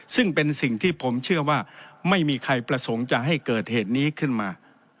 ซึ่งเป็นสิ่งที่ผมเชื่อว่าไม่มีใครประสงค์จะให้เกิดเหตุนี้ขึ้นมา